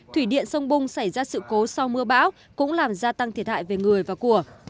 thủy điện sông bung xảy ra sự cố sau mưa bão cũng làm gia tăng thiệt hại về người và của